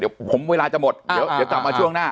เดี๋ยวผมเวลาจะหมดเดี๋ยวกลับมาช่วงหน้า